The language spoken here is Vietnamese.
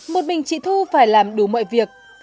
một mình trị thu phải làm đủ mọi việc